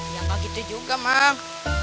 ya gak gitu juga mang